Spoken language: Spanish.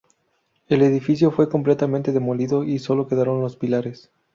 El edificio fue completamente demolido y sólo quedaron los pilares.